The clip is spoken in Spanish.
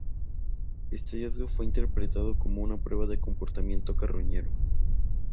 Este hallazgo fue interpretado como una prueba de comportamiento carroñero.